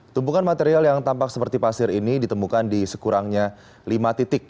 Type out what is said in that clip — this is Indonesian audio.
tumpukan material yang tampak seperti pasir ini ditemukan di sekurangnya lima titik